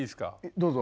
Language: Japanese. どうぞ。